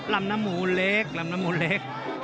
ลำน้ำมุนเล็กลำน้ำมุนเล็ก